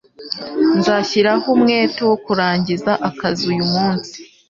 Nzashyiraho umwete wo kurangiza akazi uyu munsi